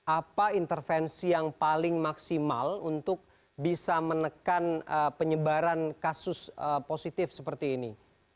apa intervensi yang paling maksimal untuk bisa menekan penyebaran kasus positif seperti ini